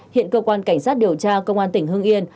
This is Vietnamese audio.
hiện cơ quan cảnh sát điều tra công an tỉnh hưng yên